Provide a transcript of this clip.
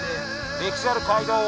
歴史ある街道を？